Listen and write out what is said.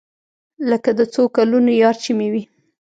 لکه د څو کلونو يار چې مې وي.